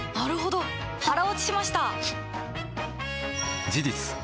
腹落ちしました！